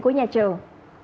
của nhà trường